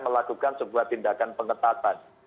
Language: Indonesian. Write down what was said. melakukan sebuah tindakan pengetatan